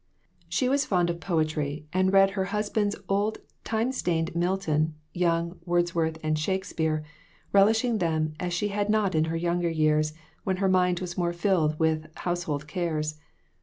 She was fond of poetry, WITHOUT ARE DOGS. 2$? and read her husband's old time stained Milton, Young, Wordsworth and Shakespeare, relishing them as she had not in her younger years, when her mind was more filled with household cares.